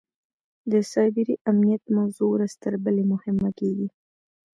د سایبري امنیت موضوع ورځ تر بلې مهمه کېږي.